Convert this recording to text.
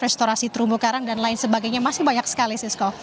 restorasi terumbu karang dan lain sebagainya masih banyak sekali sisko